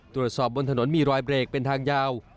ตรวจสอบบนถนนมีรอยเบรกเป็นทางยาว